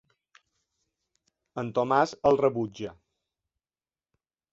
El Tomàs el rebutja.